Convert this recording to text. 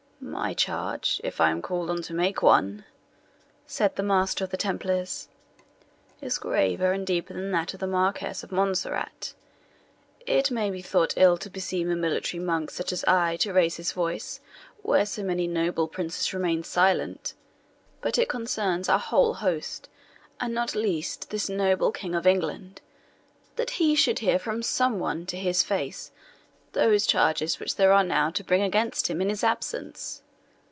"My charge, if I am called on to make one," said the Master of the Templars, "is graver and deeper than that of the Marquis of Montserrat. It may be thought ill to beseem a military monk such as I to raise his voice where so many noble princes remain silent; but it concerns our whole host, and not least this noble King of England, that he should hear from some one to his face those charges which there are enow to bring against him in his absence.